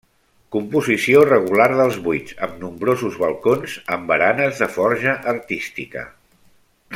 Composició regular dels buits, amb nombrosos balcons amb baranes de forja artística.